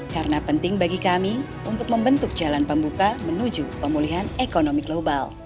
karena penting bagi kami untuk membentuk jalan pembuka menuju pemulihan ekonomi global